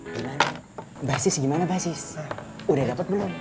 gimana basis gimana basis udah dapat belum